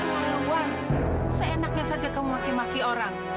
duluan seenaknya saja kamu maki maki orang